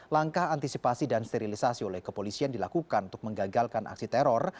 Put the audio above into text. langkah antisipasi dan sterilisasi oleh kepolisian dilakukan untuk menggagalkan aksi teror